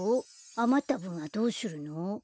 あまったぶんはどうするの？